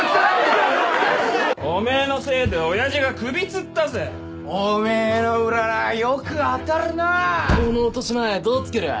おめぇのせいでおやじが首つったぜおめぇの占いよく当たるなぁこの落とし前どうつける？